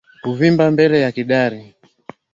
Kuvimba mbele ya kidari